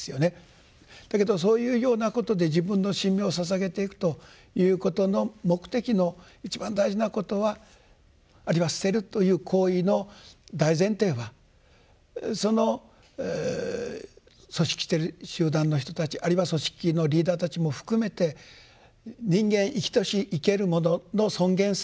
だけどそういうようなことで自分の身命をささげていくということの目的の一番大事なことはあるいは捨てるという行為の大前提はその組織的集団の人たちあるいは組織のリーダーたちも含めて人間生きとし生けるものの尊厳性絶対平等である。